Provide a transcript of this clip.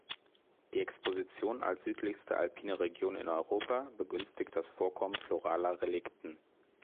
Die Exposition als südlichste alpine Region in Europa begünstigt das Vorkommen floraler Relikten.